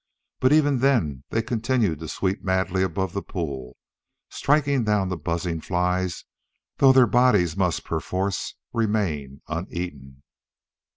But even then they continued to sweep madly above the pool, striking down the buzzing flies though their bodies must perforce remain uneaten.